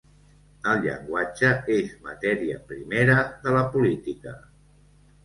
El llenguatge és matèria primera de la política.